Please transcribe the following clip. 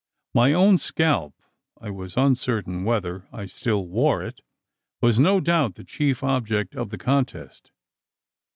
My own scalp I was uncertain whether I still wore it was no doubt the chief object of the contest.